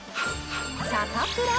サタプラ。